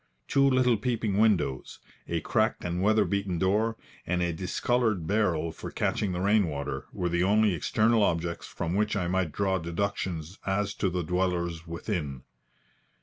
Two little peeping windows, a cracked and weather beaten door, and a discoloured barrel for catching the rain water, were the only external objects from which I might draw deductions as to the dwellers within.